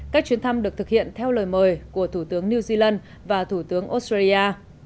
các chuyến thăm được thực hiện theo lời mời của thủ tướng new zealand và thủ tướng australia